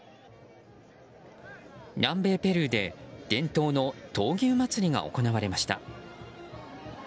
南米ペルーで伝統の闘牛祭りが行われました。